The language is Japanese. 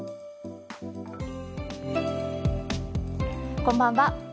こんばんは。